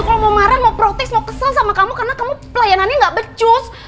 kalau mau marah mau protes mau kesan sama kamu karena kamu pelayanannya gak becus